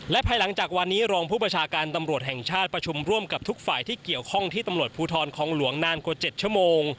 และภายหลังจากวันนี้รองผู้ประชาการตำรวจแห่งชาติประชุมร่วมกับทุกฝ่ายที่เกี่ยวข้องที่ตำรวจภูทรคองหลวงนานกว่า๗ชั่วโมง